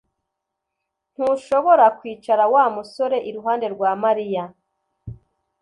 Ntushobora kwicara Wa musore iruhande rwa Mariya